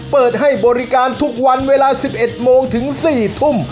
เปิดให้บริการทุกวันเวลา๑๑โมงถึง๔ทุ่ม